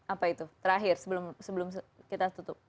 apa itu terakhir sebelum kita tutup